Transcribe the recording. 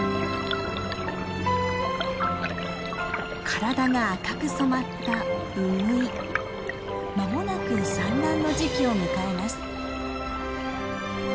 体が赤く染まった間もなく産卵の時期を迎えます。